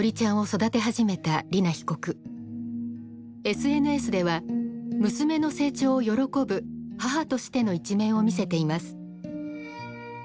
ＳＮＳでは娘の成長を喜ぶ母としての一面を見せています。